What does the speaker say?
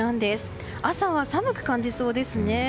朝は寒く感じそうですね。